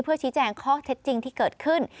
เพื่อชี้แจงข้อเท็จจริงที่เกิดขึ้น